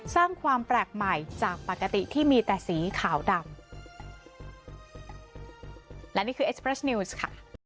สร้างความแปลกใหม่จากปกติที่มีแต่สีขาวดำ